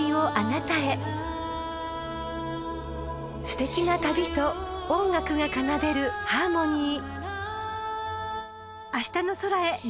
［すてきな旅と音楽が奏でるハーモニー］